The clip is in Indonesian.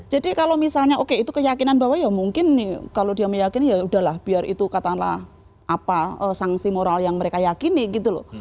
jadi kalau misalnya oke itu keyakinan bahwa ya mungkin kalau dia meyakini ya udahlah biar itu katalah apa sanksi moral yang mereka yakini gitu loh